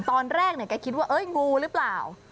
ตอนแรกแกคิดว่างูหรือเปล่า